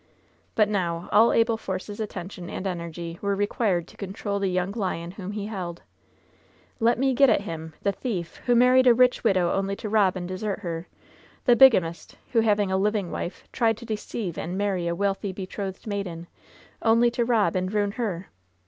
But now all Abel Force's attention and energy were required to control the young lion whom he held. 'TiCt me get at him ! The thief, who married a rich widow only to rob and desert her ! The bigamist, who, having a living wife, tried to deceive and marry a wealthy, betrolhed maiden, only to rob and ruin her!